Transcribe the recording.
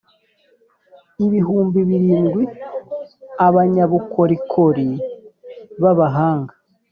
ibihumbi birindwi n abanyabukorikori b abahanga